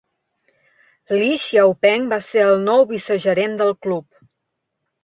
Li Xiaopeng va ser el nou vicegerent del Club.